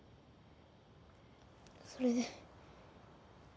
それで。